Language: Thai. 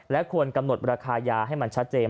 และควรกำหนดราคายาให้มันชัดเจน